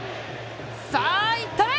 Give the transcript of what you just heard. さあ、いったれ！